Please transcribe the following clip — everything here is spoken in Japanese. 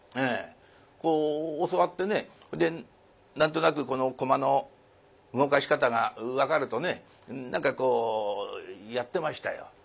こう教わってねで何となく駒の動かし方が分かるとね何かこうやってましたよ。